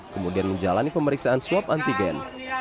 kemudian menjalani pemeriksaan swab antigen